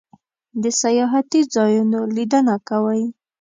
د سیاحتی ځایونو لیدنه کوئ؟